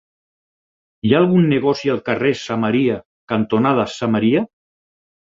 Hi ha algun negoci al carrer Samaria cantonada Samaria?